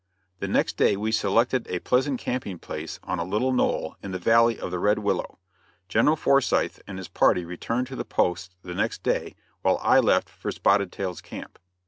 The next day we selected a pleasant camping place on a little knoll in the valley of the Red Willow. General Forsyth and his party returned to the post the next day while I left for Spotted Tail's camp.